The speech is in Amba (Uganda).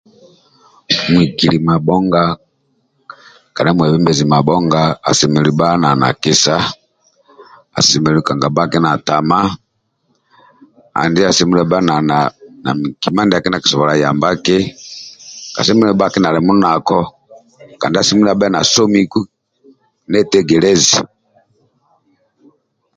Muhikili mabhonga kedha mwebenbezi mabhonga asemelelu bhaki na kisa asemelu kangabhaki na tama kandi asemelelu bha nakima ndia ki ndia kisobola yamba ki kasemelelu bhaki nandi munako kandi asemelelu bha nasomuku netegerezi